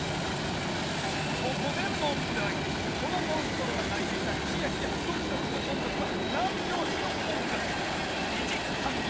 このモンストロが鳴いていたヒヤヒヤドキドキの音楽は何拍子の音楽？